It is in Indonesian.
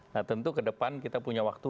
nah tentu ke depan kita punya waktu